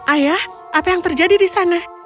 ayah apa yang terjadi di sana